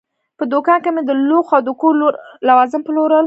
په دوکان کې مې د لوښو او د کور نور لوازم پلورل.